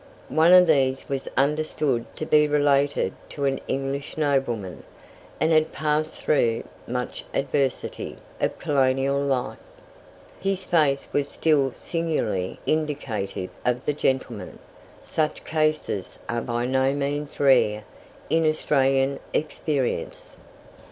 One of these was understood to be related to an English nobleman, and had passed through much adversity of colonial life. His face was still singularly indicative of the gentleman. Such cases are by no means rare in Australian experience.